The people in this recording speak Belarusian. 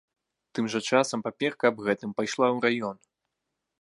Тым жа часам паперка аб гэтым пайшла ў раён.